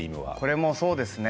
これも、そうですね。